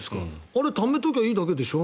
あれためときゃいいだけでしょ。